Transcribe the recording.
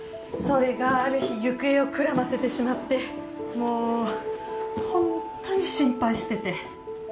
それがある日行方をくらませてしまってもうほんとに心配してて。